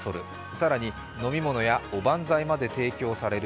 更に飲み物やおばんざいまで提供される